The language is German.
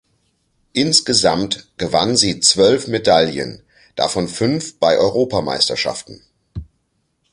Insgesamt gewann sie zwölf Medaillen, davon fünf bei Europameisterschaften.